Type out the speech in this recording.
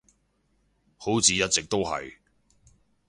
好似一直都係